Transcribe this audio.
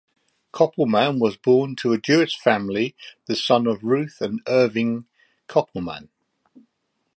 Koppelman was born to a Jewish family, the son of Ruth and Irving Koppelman.